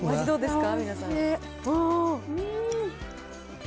どうですか？